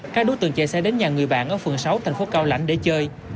các đối tượng chạy xe đến nhà người bạn ở phường sáu thành phố cao lãnh để chơi